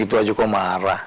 gitu aja kok marah